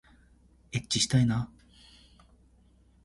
えっちしたいな